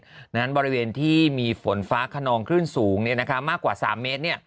เหมือนกับบริเวณที่มีฝนฟ้าคนองขึ้นสูงมากกว่า๓เมตร